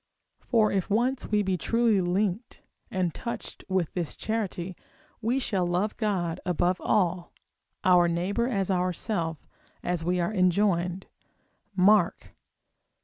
For if once we be truly linked and touched with this charity, we shall love God above all, our neighbour as ourself, as we are enjoined, Mark xii.